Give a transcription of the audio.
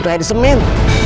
udah ada semen